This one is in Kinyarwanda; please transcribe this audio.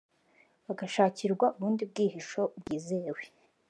bagashakirwa ubundi bwihisho bwizewe